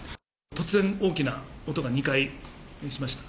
突然大きな音が２回しました。